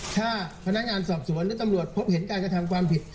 ถ้าพนักงานสอบสวนหรือตำรวจพบเห็นการกระทำความผิด